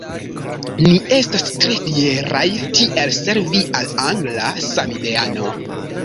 Ni estas tre fieraj tiel servi al angla samideano.